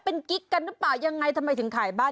เป็นกิ๊กกันหรือเปล่ายังไงทำไมถึงขายบ้าน